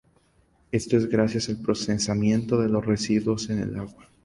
Esto es gracias al procesamiento de los residuos en el agua.